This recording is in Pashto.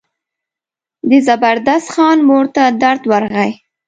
د زبردست خان مور ته درد ورغی.